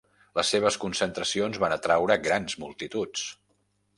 Les seves concentracions van atraure grans multituds.